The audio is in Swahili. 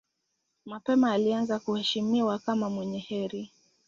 Mapema alianza kuheshimiwa kama mwenye heri.